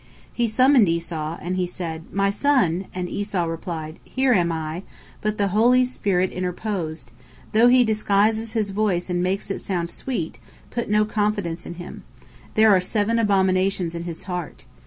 He summoned Esau, and he said, "My son," and Esau replied, "Here am I," but the holy spirit interposed: "Though he disguises his voice and makes it sound sweet, put no confidence in him. There are seven abominations in his heart.